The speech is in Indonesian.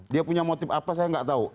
dia punya motif apa saya nggak tahu